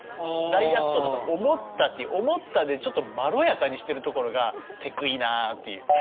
大悪党だと思った」っていう「思った」でちょっとまろやかにしてるところがテクいなあっていう。